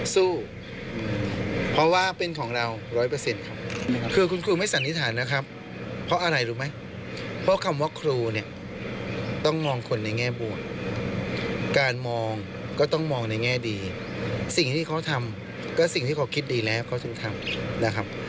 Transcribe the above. สิ่งที่เขาทำก็สิ่งที่เขาคิดดีแล้วเขาถึงทำนะครับ